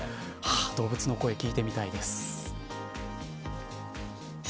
動物の声、聞いてみたいです。